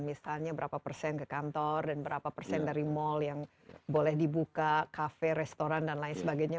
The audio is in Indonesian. misalnya berapa persen ke kantor dan berapa persen dari mal yang boleh dibuka kafe restoran dan lain sebagainya